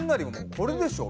これでしょう。